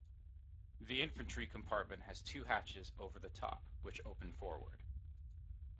The infantry compartment has two hatches over the top, which open forwards.